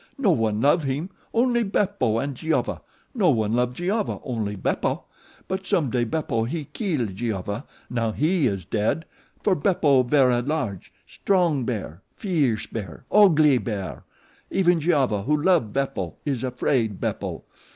No one love heem, only Beppo and Giova. No one love Giova, only Beppo; but some day Beppo he keel Giova now HE is dead, for Beppo vera large, strong bear fierce bear ogly bear. Even Giova who love Beppo is afraid Beppo.